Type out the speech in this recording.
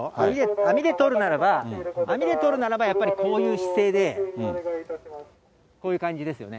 網で捕るならば、網で捕るならばやっぱりこういう姿勢で、こういう感じですよね。